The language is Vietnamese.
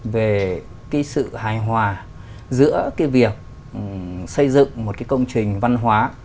về sự hài hòa giữa việc xây dựng một công trình văn hóa